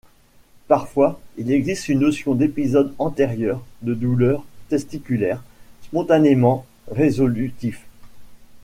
Parfois, il existe une notion d'épisodes antérieurs de douleurs testiculaires spontanément résolutifs.